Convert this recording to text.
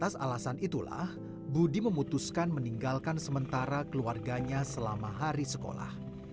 atas alasan itulah budi memutuskan meninggalkan sementara keluarganya selama hari sekolah